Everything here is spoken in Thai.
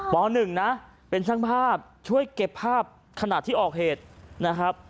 ป๑นะเป็นช่างภาพช่วยเก็บภาพขณะที่ออกเหตุนะครับ